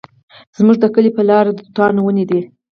زموږ د کلي په لاره د توتانو ونې دي